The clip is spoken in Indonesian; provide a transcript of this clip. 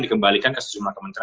dikembalikan ke sejumlah kementerian